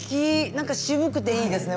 なんか渋くていいですね。